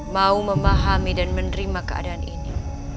mau memahami dan menerima keadaan ini